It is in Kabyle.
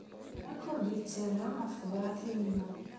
Jack ur d-yettarra ɣef tebṛatin-inu.